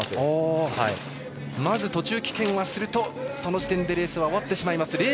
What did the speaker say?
途中棄権をするとその時点でレースが終わってしまいます。